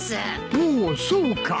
おおそうか。